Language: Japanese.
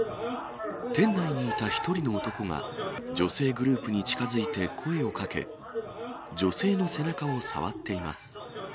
店内にいた１人の男が、女性グループに近づいて声をかけ、女性の背中を触っています。